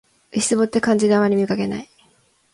牛蒡って漢字であまり見かけない